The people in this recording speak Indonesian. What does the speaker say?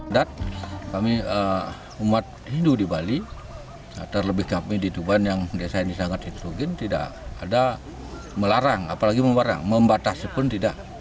dad kami umat hindu di bali terlebih kami di tuban yang desa ini sangat heterogen tidak ada melarang apalagi membarang membatasi pun tidak